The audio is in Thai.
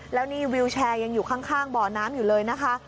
แล้วนี่วิวแชร์ยังอยู่ข้างบ่อน้ำอยู่เลยนะคะ